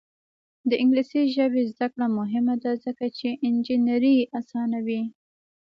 د انګلیسي ژبې زده کړه مهمه ده ځکه چې انجینري اسانوي.